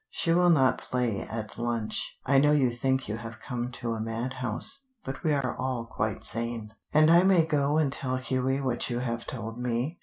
She will not play at lunch. I know you think you have come to a mad house, but we are all quite sane. And I may go and tell Hughie what you have told me?